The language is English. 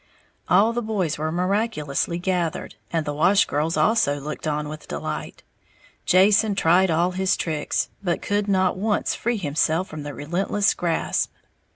All the boys were miraculously gathered, and the wash girls also looked on with delight. Jason tried all his tricks, but could not once free himself from the relentless grasp.